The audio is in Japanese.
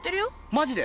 マジで！？